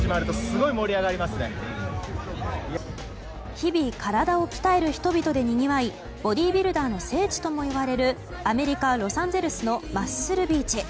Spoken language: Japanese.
日々体を鍛える人々でにぎわいボディービルダーの聖地ともいわれるアメリカ・ロサンゼルスのマッスルビーチ。